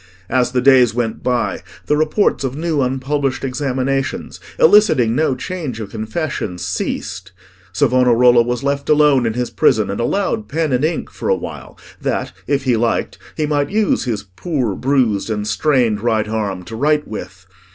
As the days went by, the reports of new unpublished examinations, eliciting no change of confessions, ceased; Savonarola was left alone in his prison and allowed pen and ink for a while, that, if he liked, he might use his poor bruised and strained right arm to write with.